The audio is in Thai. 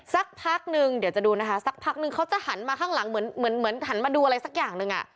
สักพักนึงเดี๋ยวจะดูนะคะสักพักนึงเขาจะหันมาข้างหลังเหมือนเหมือนหันมาดูอะไรสักอย่างหนึ่งอ่ะ